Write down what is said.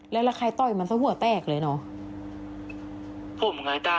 แล้วใครต่อยมันซะหัวแตกเลยเนอะ